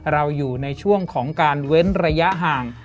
เราอยู่ในช่วงของการเว้นระยะห่าง